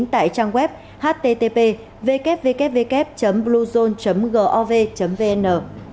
tại trang web http www bluezone gov vn